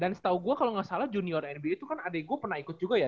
dan setau gue kalau gak salah junior nba itu kan adek gue pernah ikut juga ya